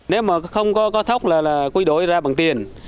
nếu mà không có kho thác là quy đối ra bằng tiền